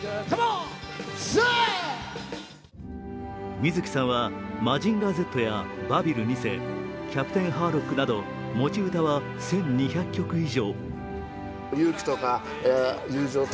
水木さんは「マジンガーＺ」や「バビル２世」、「キャプテンハーロック」など持ち歌は１２００曲以上。